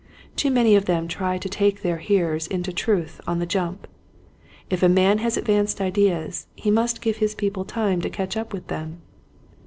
Too many of them try to take their hearers into truth on the jump. If a man has ad vanced ideas, he must give his people time to catch up with them.